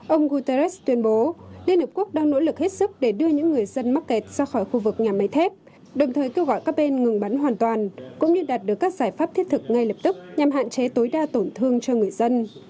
ông guterres tuyên bố liên hợp quốc đang nỗ lực hết sức để đưa những người dân mắc kẹt ra khỏi khu vực nhà máy thép đồng thời kêu gọi các bên ngừng bắn hoàn toàn cũng như đạt được các giải pháp thiết thực ngay lập tức nhằm hạn chế tối đa tổn thương cho người dân